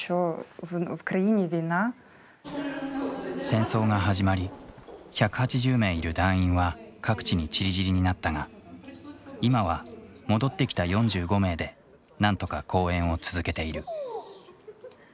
戦争が始まり１８０名いる団員は各地にちりぢりになったが今は戻ってきた４５名でなんとか公演を続けている。